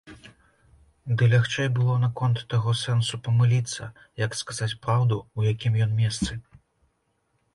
Ды лягчэй было наконт таго сэнсу памыліцца, як сказаць праўду, у якім ён месцы.